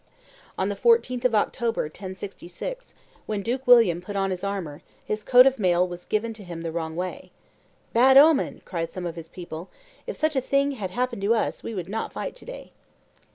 On the 14th of October, 1066, when Duke William put on his armor, his coat of mail was given to him the wrong way. "Bad omen!" cried some of his people; "if such a thing had happened to us, we would not fight to day."